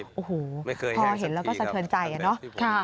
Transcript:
โอ้โหพอเห็นแล้วก็สะเทินใจอะเนาะ